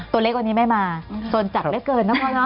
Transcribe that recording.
ตัวเล็กวันนี้ไม่มาสนจักรเล็กเกินนะพ่อเนอะ